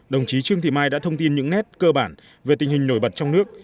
đồng chí trương thị mai đã thông tin những nét cơ bản về tình hình nổi bật trong nước